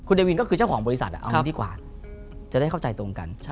เดวินก็คือเจ้าของบริษัทเอางี้ดีกว่าจะได้เข้าใจตรงกัน